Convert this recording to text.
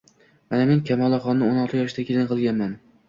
Mana, men Kamolaxonnio`n olti yoshida kelin qilganman